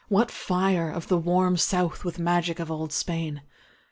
what fire Of the "warm South" with magic of old Spain!